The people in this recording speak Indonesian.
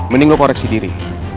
mending lo koreksi diri